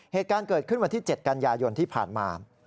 เหตุการณ์เกิดขึ้นวันที่๗กันยายนที่ผ่านมา